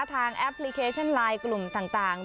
แอปพลิเคชันไลน์กลุ่มต่าง